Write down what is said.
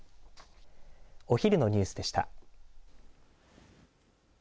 お昼のニュースでした。